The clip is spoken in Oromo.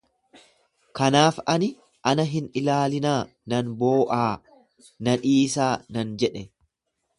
Kanaaf ani, ana hin ilaalinaa nan boo'aa na dhiisaa nan jedhe.